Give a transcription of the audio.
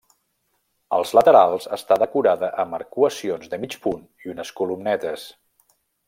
Als laterals està decorada amb arcuacions de mig punt i unes columnetes.